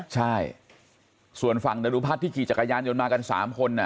ใช่ส่วนฝั่งดรุพัฒน์ที่ขี่จักรยานยนต์มากัน๓คน